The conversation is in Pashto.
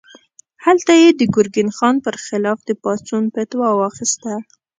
هلته یې د ګرګین خان پر خلاف د پاڅون فتوا واخیسته.